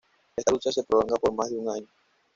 Esta lucha se prolonga por más de un año.